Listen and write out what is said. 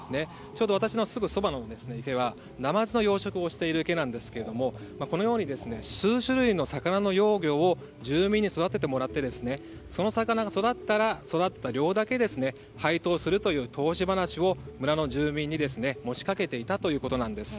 ちょうど私のすぐそばの池はナマズを養殖している池ですがこのように数種類の魚の幼魚を住民に育ててもらってその魚が育ったら育った量だけ配当するという投資話を村の住民に持ちかけていたということです。